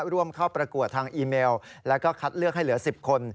ร่วมเข้าประกวดทางอีเมลแล้วก็คัดเลือกให้เหลือ๑๐คน